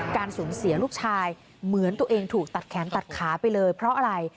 การสูญเสียลูกชายเหมือนตัวเองถูกตัดแขนตัดขาไปเลยเพราะอะไร